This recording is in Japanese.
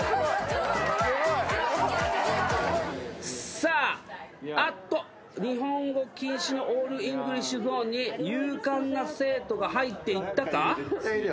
さああっと日本語禁止のオールイングリッシュゾーンに勇敢な生徒が入っていったか！？